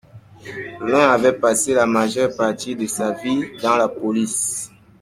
L’un avait passé la majeure partie de sa vie dans la police.